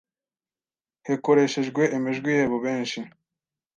hekoreshejwe emejwi yebo benshi,